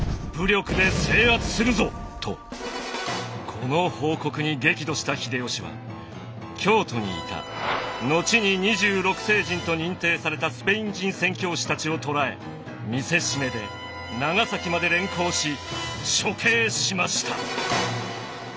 この報告に激怒した秀吉は京都にいた後に二十六聖人と認定されたスペイン人宣教師たちを捕らえ見せしめで長崎まで連行し処刑しました。